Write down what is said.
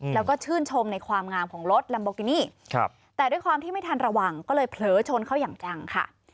แล้วก็ชื่นชมในความงามของรถลัมโบกินี่แต่ด้วยความที่ไม่ทันระวังก็เลยเผลอชนเขาอย่างจังค่ะ